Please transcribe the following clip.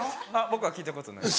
僕は聞いたことない。